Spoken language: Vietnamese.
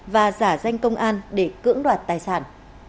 và giả danh công an để cưỡng đoạt tài sản